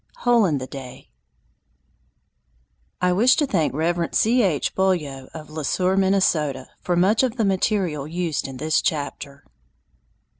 HOLE IN THE DAY [I wish to thank Reverend C. H. Beaulieu of Le Soeur, Minnesota, for much of the material used in this chapter.